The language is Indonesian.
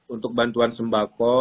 untuk bantuan sembako